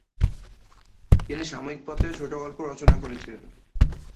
তিনি সাময়িকপত্রে ছোটোগল্প রচনা করেছিলেন।